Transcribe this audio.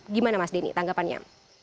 gimana mas deni tanggapannya